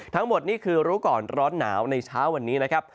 ทั้งหมดนี่คือรู้ก่อนร้อนหนาวในเช้าวันนี้นะครับ